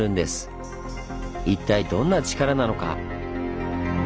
一体どんなチカラなのか？